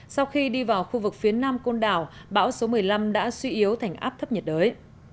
sau khi đi vào khu vực phía nam côn đảo bão số một mươi năm đã suy yếu thành áp thấp nhiệt đới